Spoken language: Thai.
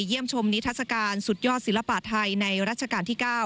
ชมนิทัศกาลสุดยอดศิลปะไทยในรัชกาลที่๙